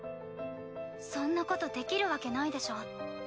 そんなことできるわけないでしょ。